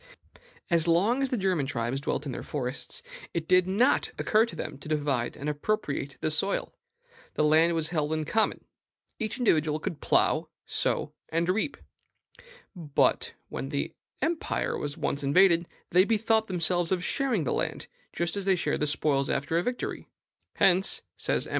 As long as the German tribes dwelt in their forests, it did not occur to them to divide and appropriate the soil. The land was held in common: each individual could plow, sow, and reap. But, when the empire was once invaded, they bethought themselves of sharing the land, just as they shared spoils after a victory. "Hence," says M.